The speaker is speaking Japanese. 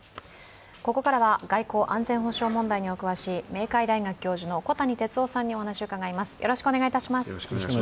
ここからは外交・安全保障問題にお詳しい明海大学教授の小谷哲男さんにお話を伺います。